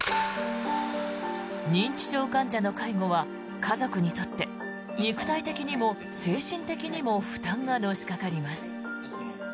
認知症患者の介護は家族にとって肉体的にも精神的にも負担がのしかかります。